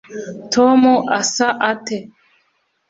tom asa ate